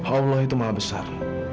allah itu maha besar